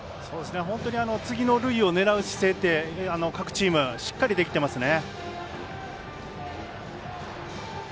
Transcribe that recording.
本当に次の塁を狙う姿勢が各チーム、しっかりできてますね。